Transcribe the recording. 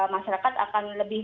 masyarakat akan lebih